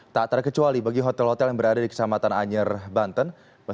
tak terkecuali bagi hotel hotel yang berada di kecamatan anyer banten